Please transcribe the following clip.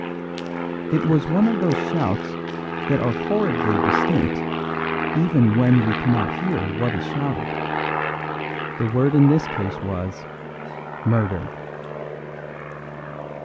It was one of those shouts that are horridly distinct even when we cannot hear what is shouted. The word in this case was "Murder!"